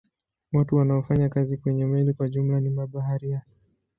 Watu wanaofanya kazi kwenye meli kwa jumla ni mabaharia.